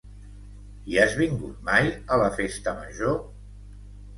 Hi has vingut mai, a la festa major?